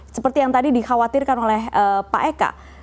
seperti yang tadi dikhawatirkan oleh pak eka